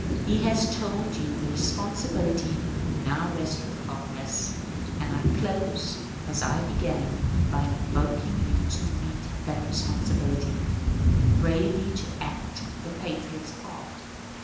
He has told you the responsibility now rests with Congress; and I close as I began, by invoking you to meet that responsibility, bravely to act the patriot's part.